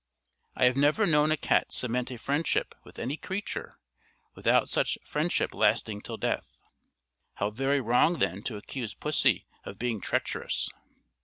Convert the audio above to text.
I have never known a cat cement a friendship with any creature, without such friendship lasting till death. How very wrong then to accuse pussy of being treacherous!